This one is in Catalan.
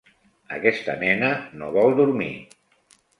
Aquesta nena no vol dormir.